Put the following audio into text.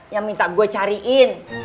yang minta gua cariin